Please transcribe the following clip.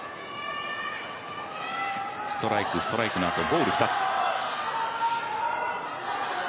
ストライク、ストライクのあとボール２つ。